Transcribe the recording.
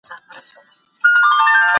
باثباته اقتصاد د سالمې ټولني تضمین کوي.